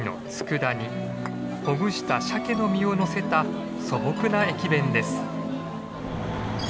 ほぐしたシャケの身をのせた素朴な駅弁です。